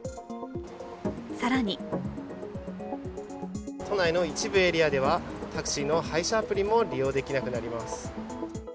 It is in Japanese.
更に都内の一部エリアではタクシーの配車アプリも利用できなくなります。